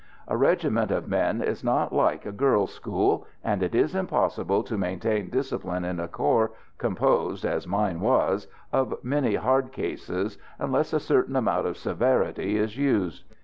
A regiment of men is not like a girls' school, and it is impossible to maintain discipline in a corps composed, as mine was, of so many "hard cases" unless a certain amount of severity is used.